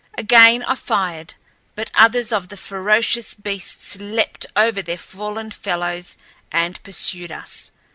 Again I fired, but others of the ferocious beasts leaped over their fallen fellows and pursued us.